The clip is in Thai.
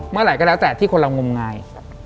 เมื่อไหร่ก็แล้วแต่ที่คนเรางมงาย